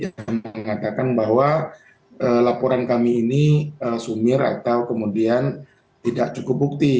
yang mengatakan bahwa laporan kami ini sumir atau kemudian tidak cukup bukti